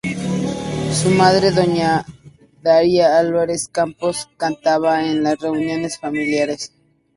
Su madre, doña Daría Álvarez Campos, cantaba en las reuniones familiares.